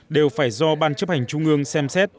đều phải do ban chấp hành trung ương xem xét